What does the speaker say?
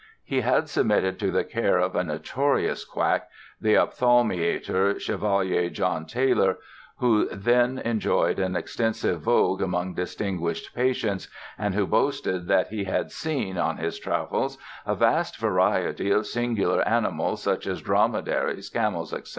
He had submitted to the care of a notorious quack, the "opthalmiater" Chevalier John Taylor, who then enjoyed an extensive vogue among distinguished patients and who boasted that he had seen, on his travels, "a vast variety of singular animals, such as dromedaries, camels, etc.